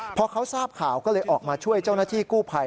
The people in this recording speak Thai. พอเขาทราบข่าวก็เลยออกมาช่วยเจ้าหน้าที่กู้ภัย